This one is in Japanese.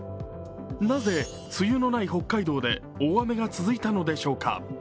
なぜ梅雨のない北海道で大雨が続いたのでしょうか。